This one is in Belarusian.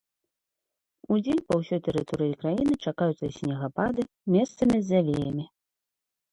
Удзень па ўсёй тэрыторыі краіны чакаюцца снегапады, месцамі з завеямі.